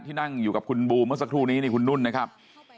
นั่งอยู่กับคุณบูมเมื่อสักครู่นี้นี่คุณนุ่นนะครับ